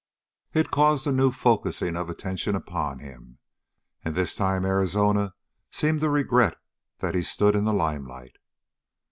It caused a new focusing of attention upon him, and this time Arizona seemed to regret that he stood in the limelight.